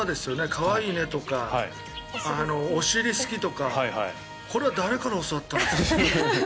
可愛いねとか、お尻好きとかこれは誰から教わったんだろう。